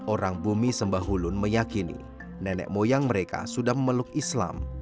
orang bumi sembahulun meyakini nenek moyang mereka sudah memeluk islam